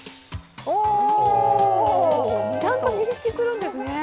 ちゃんと認識するんですね。